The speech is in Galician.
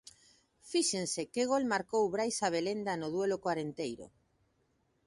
Fíxense que gol marcou Brais Abelenda no duelo co Arenteiro.